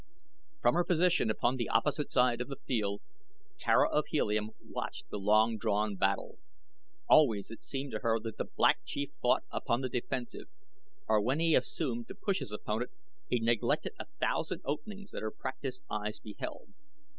From her position upon the opposite side of the field Tara of Helium watched the long drawn battle. Always it seemed to her that the Black Chief fought upon the defensive, or when he assumed to push his opponent, he neglected a thousand openings that her practiced eye beheld.